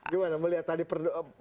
gimana melihat tadi perdoa